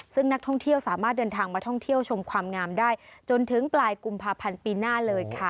ซึ่งนักท่องเที่ยวสามารถเดินทางมาท่องเที่ยวชมความงามได้จนถึงปลายกุมภาพันธ์ปีหน้าเลยค่ะ